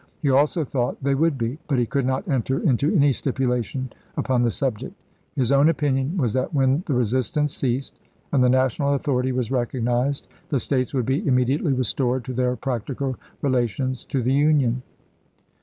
He also thought chap.vi. they would be ; but he could not enter into any stipulation upon the subject. His own opinion Feb.3,i865. was that when the resistance ceased and the Na tional authority was recognized the States would be immediately restored to their practical relations to the Union."